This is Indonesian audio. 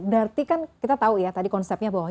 berarti kan kita tahu ya tadi konsepnya bahwa